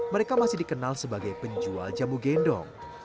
mereka masih dikenal sebagai penjual jamu gendong